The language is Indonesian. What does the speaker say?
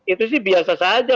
itu sih biasa saja